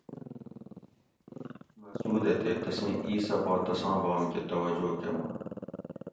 مسعودہ تے تسیں اِیسہ پا تساں بام کہ توجہ کمائ